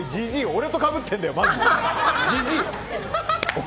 俺とかぶってるんだよ。